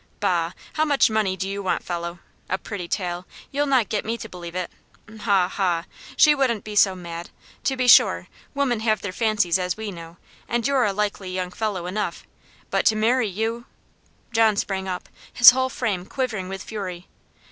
"Bah! how much money do you want, fellow? A pretty tale! you'll not get me to believe it ha! ha! She wouldn't be so mad. To be sure, women have their fancies, as we know, and you're a likely young fellow enough; but to marry you " John sprang up his whole frame quivering with fury.